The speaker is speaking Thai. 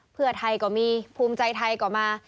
เพื่อไทยก็มีภูมิใจไทยก็มา